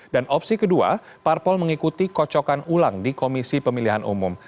dan opsi kedua parpol mengikuti kocokan ulang di komisi pemilihan umum